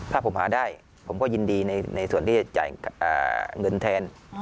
ถ้าผมหาได้ผมก็ยินดีในส่วนที่จะจ่ายเงินแทน